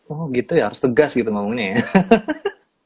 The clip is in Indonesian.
oh gitu ya harus tegas gitu ngomongnya ya